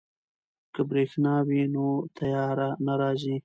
که بریښنا وي نو تیاره نه راځي.